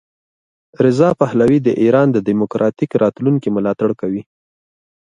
رضا پهلوي د ایران د دیموکراتیک راتلونکي ملاتړ کوي.